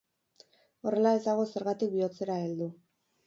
Horrela ez dago zergatik bihotzera heldu.